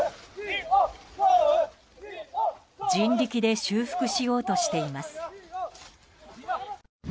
人力で修復しようとしています。